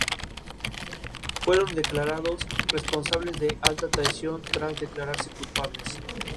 Las ramas horizontales pueden no tener sub-ramas en la superficie inferior.